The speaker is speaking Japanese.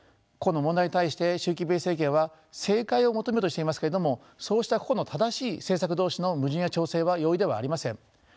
個々の問題に対して習近平政権は正解を求めようとしていますけれどもそうした個々の正しい政策同士の矛盾や調整は容易ではありません。